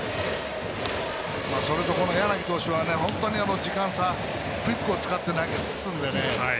それと柳投手は本当に時間差、クイックを使って投げるので。